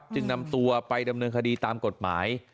จึงนำตัวไปดำเนินคดีตามกฎหมาย